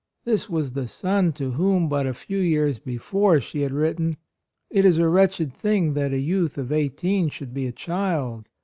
This was the son to whom but a few years before she had written: "It is a wretched thing that a youth of eighteen should be a child.